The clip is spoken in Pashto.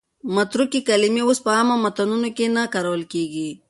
متروکې کلمې اوس په عامو متنونو کې نه کارول کېږي.